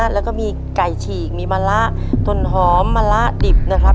แล้วก็มีไก่ฉีกมีมะละต้นหอมมะละดิบนะครับ